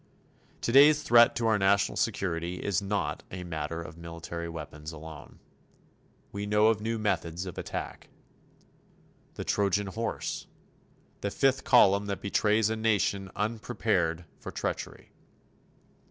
Today's threat to our national security is not a matter of military weapons alone. We know of new methods of attack. The Trojan Horse. The Fifth Column that betrays a nation unprepared for treachery.